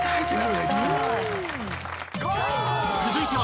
［続いては］